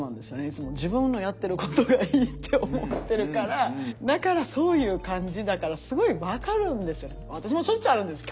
いつも自分のやってることがいいって思ってるからだからそういう感じだから私もしょっちゅうあるんです。